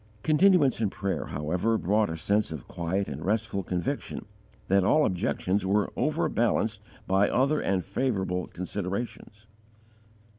Continuance in prayer, however, brought a sense of quiet and restful conviction that all objections were overbalanced by other and favourable considerations.